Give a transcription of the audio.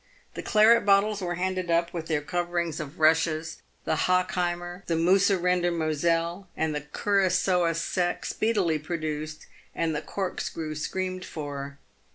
The claret bottles were handed up with their coverings of rushes, the Hockheimer, the Moussirender Moselle, and the Curacoa sec, speedily produced, and the corkscrew screamed for.